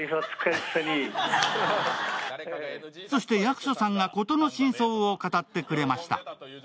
そして役所さんが事の真相を語ってくれました。